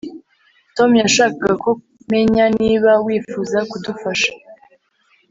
Tom yashakaga ko menya niba wifuza kudufasha